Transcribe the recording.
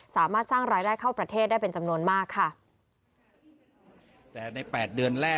สามารถสร้างรายได้เข้าประเทศได้เป็นจำนวนมากค่ะ